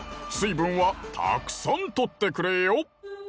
水分はたくさんとってくれよ。